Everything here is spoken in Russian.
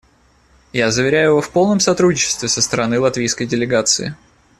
Я заверяю его в полном сотрудничестве со стороны латвийской делегации.